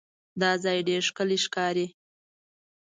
دا ځای ډېر ښکلی ښکاري.